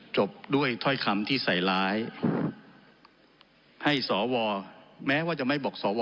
จบด้วยถ้อยคำที่ใส่ร้ายให้สวแม้ว่าจะไม่บอกสว